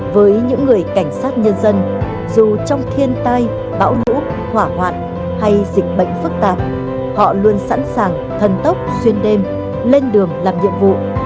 với những người cảnh sát nhân dân dù trong thiên tai bão lũ hỏa hoạn hay dịch bệnh phức tạp họ luôn sẵn sàng thần tốc xuyên đêm lên đường làm nhiệm vụ